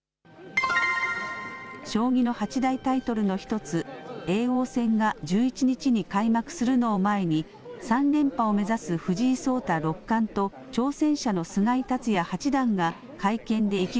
将棋の八大タイトルの１つ、叡王戦が１１日に開幕するのを前に、３連覇を目指す藤井聡太六冠と挑戦者の菅井竜也八段が会見で意気